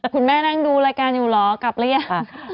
คุณแม่นั่งดูรายการอยู่เหรอกลับหรือยัง